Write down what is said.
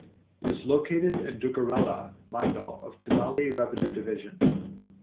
It is located in Duggirala mandal of Tenali revenue division.